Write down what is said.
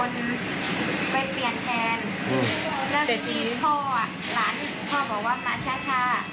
แล้วที่เนี่ยเขาไม่ให้มา